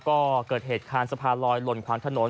ก็เกิดเหตุคานสะพานลอยหล่นขวางถนน